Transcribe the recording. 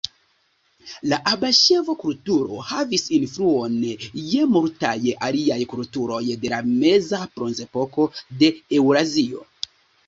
La abaŝevo-kulturo havis influon je multaj aliaj kulturoj de la Meza Bronzepoko de Eŭrazio.